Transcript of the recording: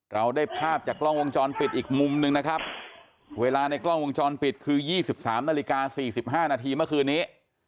เราได้ภาพจากกล้องวงจรปิดอีกมุมนึงนะครับเวลาในกล้องวงจรปิดคือ๒๓นาฬิกา๔๕นาทีเมื่อคืนนี้